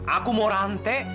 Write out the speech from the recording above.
aku mau rantai